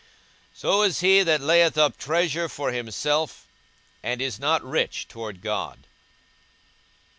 42:012:021 So is he that layeth up treasure for himself, and is not rich toward God.